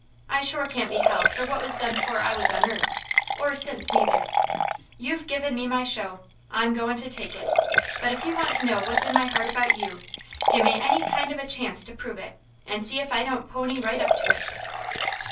I sure can't be held for what was done 'fore I was on earth, or since neither. You've given me my show, I'm goin' to take it, but if you want to know what's in my heart about you, gimme any kind of a chanct to prove, an' see if I don't pony right up to it!"